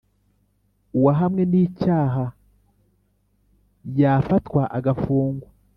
uwahamwe n icyaha y afatwa agafungwa